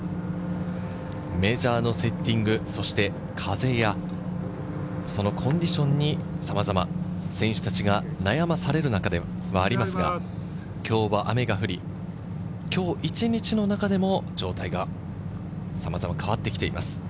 メジャーのセッティング、そして風やそのコンディションにさまざま選手たちが悩まされる中でありますが今日は雨が降り、今日一日の中でも、状態がさまざま変わってきています。